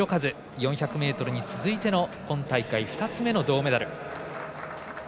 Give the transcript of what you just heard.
４００ｍに続いての今大会、２つ目の銅メダル。